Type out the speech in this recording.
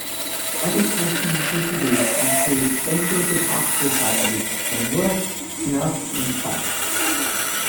Other cartoons he produced include "Bengo the Boxer puppy" and "Wuff, Snuff and Tuff".